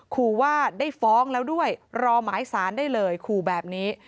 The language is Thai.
ขู่ว่าได้ฟ้องแล้วด้วยรอหมายสารได้เลยขู่แบบนี้